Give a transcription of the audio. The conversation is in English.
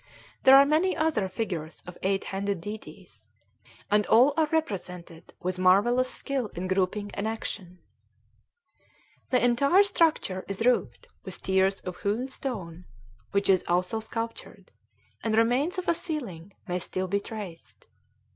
There are many other figures of eight handed deities; and all are represented with marvellous skill in grouping and action. [Illustration: Ruins of the Naghkon Watt.] The entire structure is roofed with tiers of hewn stone, which is also sculptured; and remains of a ceiling may still be traced.